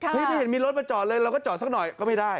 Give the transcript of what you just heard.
ไม่เห็นมีรถมาจอดเลยเราก็จอดสักหน่อยก็ไม่ได้